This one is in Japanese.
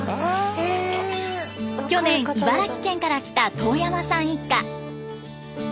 去年茨城県から来た當山さん一家。